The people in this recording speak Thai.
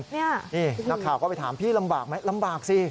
นี่นักข่าวก็ไปถามพี่ลำบากไหมลำบากสิ